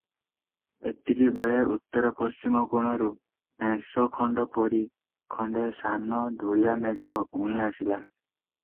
ଏତିକିବେଳେ ଉତ୍ତର ପଶ୍ଚିମ କୋଣରୁ ହେଁସଖଣ୍ଡ ପରି ଖଣ୍ଡେ ସାନ ଧୂଳିଆ ମେଘ ଉଇଁ ଆସିଲା ।